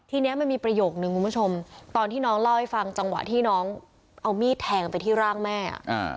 ทีนี้มันมีประโยคนึงคุณผู้ชมตอนที่น้องเล่าให้ฟังจังหวะที่น้องเอามีดแทงไปที่ร่างแม่อ่ะอ่า